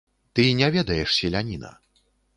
Ты не ведаеш селяніна.